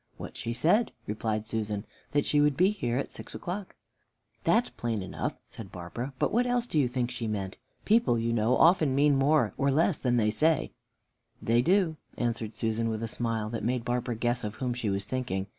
"What she said," replied Susan, "that she would be here at six o'clock." "That's plain enough," said Barbara, "but what else do you think she meant? People, you know, often mean more or less than they say." "They do," answered Susan, with a smile that made Barbara guess of whom she was thinking.